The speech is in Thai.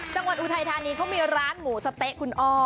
อุทัยธานีเขามีร้านหมูสะเต๊ะคุณอ้อ